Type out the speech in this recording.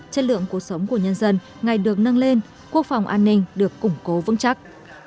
chất lượng cuộc sống của nhân dân ngày được nâng lên quốc phòng an ninh được củng cố vững chắc